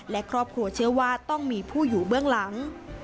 และครอบครัวเชื่อว่าต้องมีผู้อยู่เบื้องหลัง